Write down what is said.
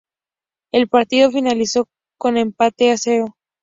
El partido finalizó con empate a cero.